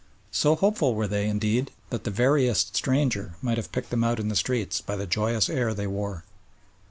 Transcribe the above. So hopeful were they, indeed, that the veriest stranger might have picked them out in the streets by the joyous air they wore.